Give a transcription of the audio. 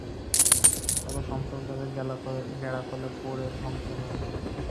তবে সম্পর্কের গ্যাঁড়াকলে পরে ধ্বংস হয়ো না।